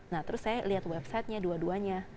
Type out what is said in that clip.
nah terus saya lihat website nya dua duanya